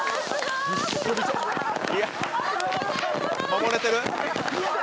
守れてる？